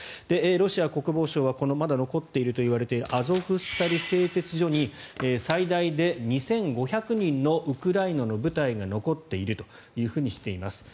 ロシア国防省はこのまだ残っているといわれているアゾフスタリ製鉄所に最大で２５００人のウクライナの部隊が残っているというふうにしています。